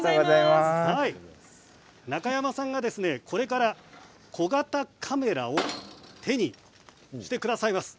中山さんがこれから小型カメラを手にしてくださいます。